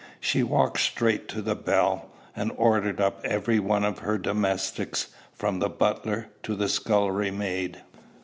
She walked straight to the bell, and ordered up every one of her domestics, from the butler to the scullery maid.